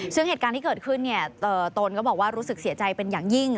ซึ่งเหตุการณ์ที่เกิดขึ้นตนก็บอกว่ารู้สึกเสียใจเป็นอย่างยิ่ง